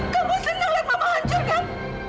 kamu senang lihat mama hancur kan